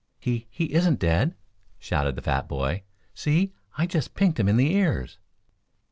"He he isn't dead," shouted the fat boy. "See, I just pinked him in the ears."